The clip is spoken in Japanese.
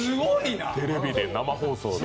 テレビで生放送で。